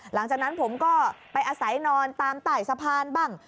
หลังจากนั้นผมก็ไปอาศัยนอนตามใต้สะพานบ้าง